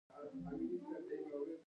ستوني غرونه د افغانانو د ګټورتیا برخه ده.